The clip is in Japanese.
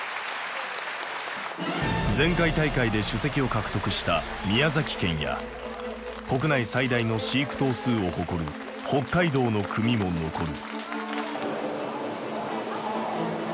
前回大会で首席を獲得した宮崎県や国内最大の飼育頭数を誇る北海道の組も残る。